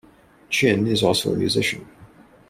Chin is also a musician.